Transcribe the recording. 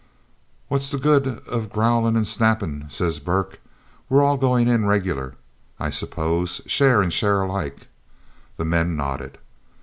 'What's the good of growlin' and snappin'?' says Burke. 'We're all goin' in regular, I suppose, share and share alike?' The men nodded.